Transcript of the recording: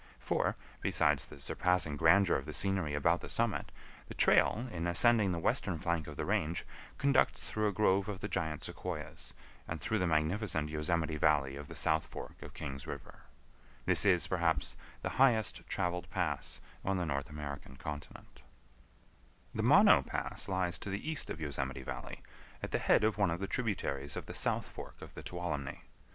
For, besides the surpassing grandeur of the scenery about the summit, the trail, in ascending the western flank of the range, conducts through a grove of the giant Sequoias, and through the magnificent Yosemite Valley of the south fork of King's River. This is, perhaps, the highest traveled pass on the North American continent. [Illustration: MAP OF THE YOSEMITE VALLEY, SHOWING PRESENT RESERVATION BOUNDARY.] The Mono Pass lies to the east of Yosemite Valley, at the head of one of the tributaries of the south fork of the Tuolumne.